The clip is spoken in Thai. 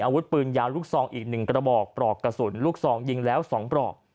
อาวุธปืนยาลูกทรองอีกหนึ่งกระบอกปรอกกระสุนลูกทรองยิงแล้วสองปรอก